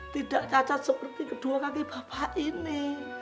tidak cacat seperti kedua kaki bapak ini